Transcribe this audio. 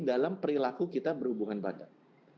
dalam perilaku kita berhubungan badan